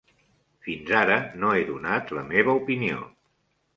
Fins ara no he donat la meva opinió.